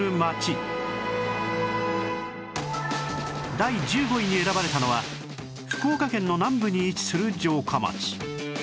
第１５位に選ばれたのは福岡県の南部に位置する城下町